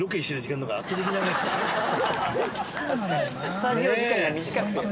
スタジオ時間が短くて。